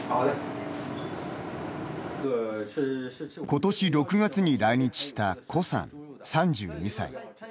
今年６月に来日したコさん３２歳。